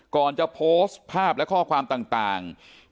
ก่อนจะโพสต์ภาพและข้อความต่าง